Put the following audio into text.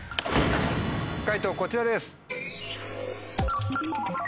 解答こちらです。